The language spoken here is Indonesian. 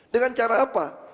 dengan cara apa